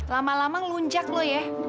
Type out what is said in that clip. lama lama lunjak lu ya